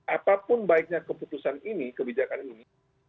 apapun baiknya keputusan ini kebijakan ini